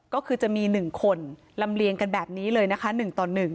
ก็คือจะมี๑คนลำเลียงกันแบบนี้เลยนะคะ๑ต่อ๑